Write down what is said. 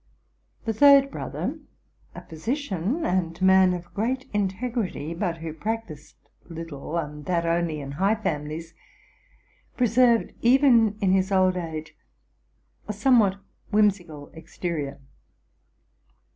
The third brother, a physician and man of great integrity, but who practised little, and that only in high families, preserved even in his old age a somewhat whimsical exterior.